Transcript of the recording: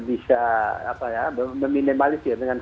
iya cerita nrab tentunya ramaman ke variants